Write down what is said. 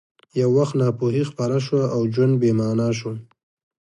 یو وخت ناپوهي خپره شوه او ژوند بې مانا شو